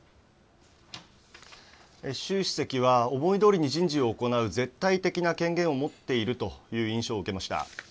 習主席は思いどおりに人事を行う絶対的な権限を持っているという印象を受けました。